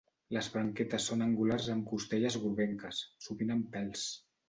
Les branquetes són angulars amb costelles groguenques, sovint amb pèls.